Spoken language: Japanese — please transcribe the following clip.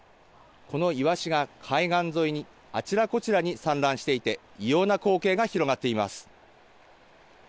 このイワシが海岸沿いにあちらこちらに散乱していて異様な光景が広がっています。